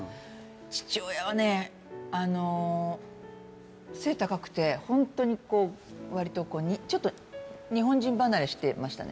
父親はねあのホントにこうわりとちょっと日本人離れしてましたね